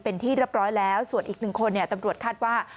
เป็นที่เรียบร้อยแล้วส่วนอีก๑คนตำรวจคาดว่า